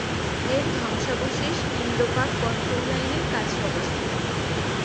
এর ধ্বংসাবশেষ ইন্দো-পাক কন্ট্রোল লাইনের কাছে অবস্থিত।